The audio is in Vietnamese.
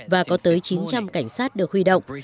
và có tới chín trăm linh cảnh sát được huy động